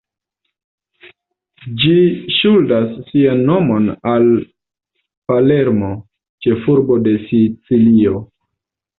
Ĝi ŝuldas sian nomon al Palermo, ĉefurbo de Sicilio.